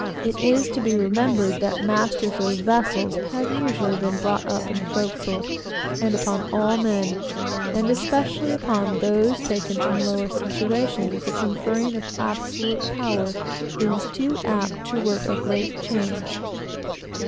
It is to be remembered that masters of vessels have usually been brought up in a forecastle; and upon all men, and especially upon those taken from lower situations, the conferring of absolute power is too apt to work a great change.